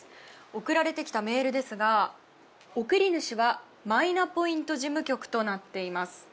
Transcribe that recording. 送られてきたメールですが送り主はマイナポイント事務局となっています。